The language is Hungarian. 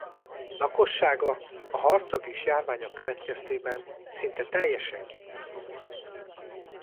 Lakossága a harcok és járványok következtében szinte teljesen kipusztult.